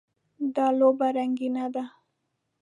دا لوبه رنګینه ده.